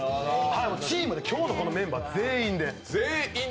チームで今日のこのメンバー全員で。